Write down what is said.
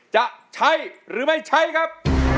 จะใช้หรือไม่ใช้ครับ